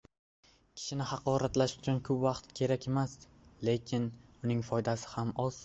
Kishini haqoratlash uchun ko‘p vaqt kerakmas, lekin uning foydasi ham oz.